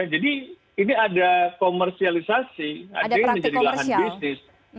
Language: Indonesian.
jadi ini ada komersialisasi ada yang menjadi lahan bisnis